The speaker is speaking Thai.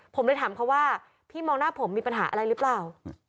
ผมเลยถามเขาว่าพี่มองหน้าผมมีปัญหาอะไรหรือเปล่า